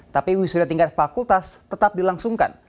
tapi wisuda tingkat fakultas tetap dilangsungkan